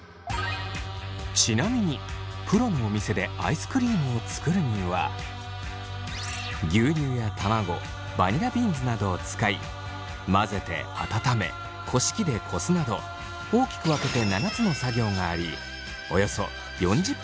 ちなみにプロのお店でアイスクリームを作るには牛乳や卵バニラビーンズなどを使い混ぜて温めこし器でこすなど大きく分けて７つの作業がありおよそ４０分かかります。